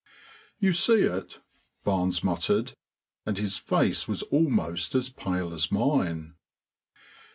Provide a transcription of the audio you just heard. "You see it?" Barnes muttered, and his face was almost as pale as mine.